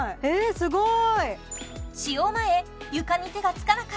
すごーい！